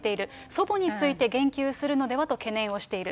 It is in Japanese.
祖母について言及するのではと懸念をしている。